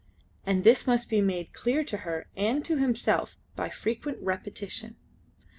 And this must be made clear to her and to himself by frequent repetition.